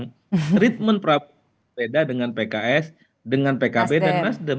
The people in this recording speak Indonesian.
treatment prabowo beda dengan pks dengan pkb dan nasdem